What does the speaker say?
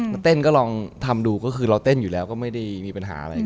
ก็เราก็เล่นก็เราเล่นอยู่แล้วก็ไม่ได้มีปัญหาอะไร